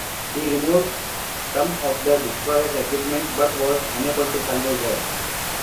He removed some of the destroyer's equipment but was unable to salvage her.